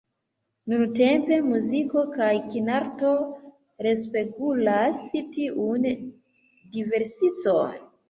Nuntempe muziko kaj kinarto respegulas tiun diversecon.